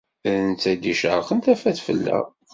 D netta i d-icerqen tafat fell-aɣ.